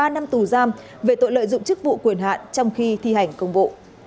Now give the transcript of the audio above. ba năm tù giam về tội lợi dụng chức vụ quyền hạn trong khi thi hành công vụ